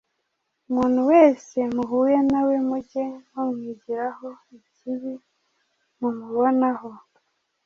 Umuntu wese muhuye na we muge mumwigiraho, ikibi mumubonaho